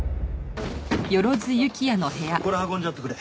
これ運んじゃってくれ。